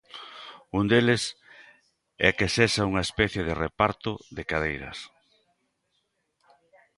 Un deles é que sexa unha especie de reparto de cadeiras.